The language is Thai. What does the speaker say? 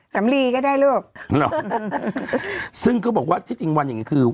สำลีก็ได้ลูกหรอซึ่งเขาบอกว่าที่จริงวันอย่างงี้คือ